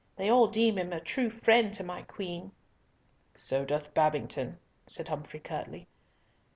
They all deem him a true friend to my Queen." "So doth Babington," said Humfrey, curtly.